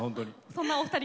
そんなお二人